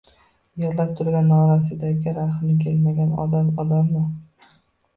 Yig‘lab turgan norasidaga rahmi kelmagan odam — odammi?